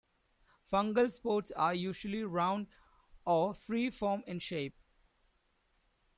Fungal spots are usually round or free-form in shape.